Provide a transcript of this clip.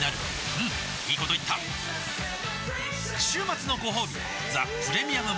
うんいいこと言った週末のごほうび「ザ・プレミアム・モルツ」